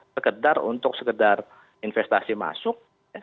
sekedar untuk sekedar investasi masuk